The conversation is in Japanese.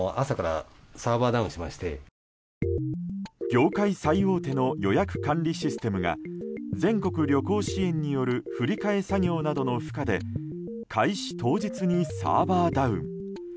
業界最大手の予約・管理システムが全国旅行支援による振り替え作業などの負荷で開始当日にサーバーダウン。